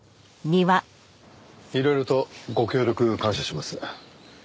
いろいろとご協力感謝します。